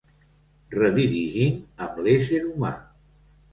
Redirigint amb l'ésser humà.